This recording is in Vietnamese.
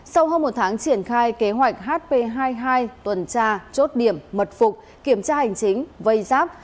sau hơn một tháng triển khai kế hoạch hp hai mươi hai tuần tra chốt điểm mật phục kiểm tra hành chính vây giáp